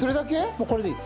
もうこれでいい。